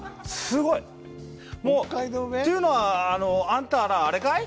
「っていうのはあんたらあれかい？」